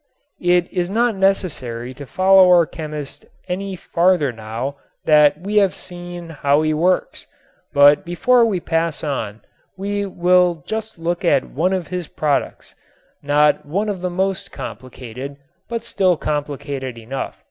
It is not necessary to follow our chemist any farther now that we have seen how he works, but before we pass on we will just look at one of his products, not one of the most complicated but still complicated enough.